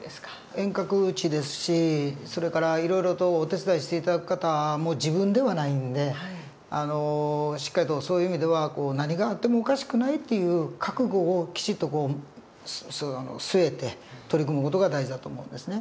遠隔地ですしそれからいろいろとお手伝いして頂く方も自分ではないんでしっかりとそういう意味では何があってもおかしくないっていう覚悟をきちっと据えて取り組む事が大事だと思うんですね。